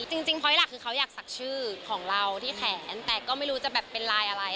จริงพ้อยหลักคือเขาอยากศักดิ์ชื่อของเราที่แขนแต่ก็ไม่รู้จะแบบเป็นลายอะไร